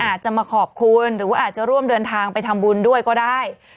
อาจจะมาขอบคุณหรือว่าอาจจะร่วมเดินทางไปทำบุญด้วยก็ได้